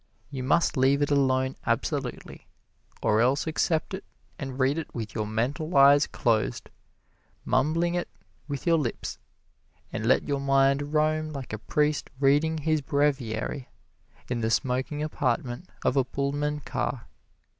You must leave it alone absolutely or else accept it and read it with your mental eyes closed, mumbling it with your lips, and let your mind roam like a priest reading his breviary in the smoking apartment of a Pullman car.